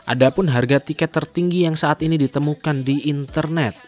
ada pun harga tiket tertinggi yang saat ini ditemukan di internet